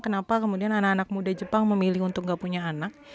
kenapa kemudian anak anak muda jepang memilih untuk nggak punya anak